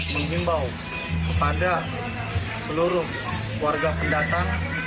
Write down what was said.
menghimbau kepada seluruh warga pendatang